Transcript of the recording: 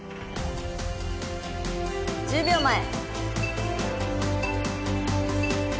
１０秒前。